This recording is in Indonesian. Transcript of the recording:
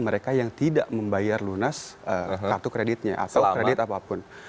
mereka yang tidak membayar lunas kartu kreditnya atau kredit apapun